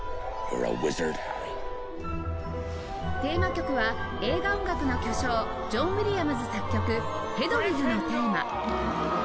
’ｒｅａｗｉｚａｒｄ，Ｈａｒｒｙ．テーマ曲は映画音楽の巨匠ジョン・ウィリアムズ作曲『ヘドウィグのテーマ』